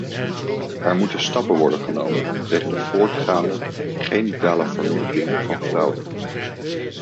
Er moeten stappen worden genomen tegen de voortgaande genitale verminking van vrouwen.